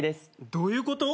どういうこと？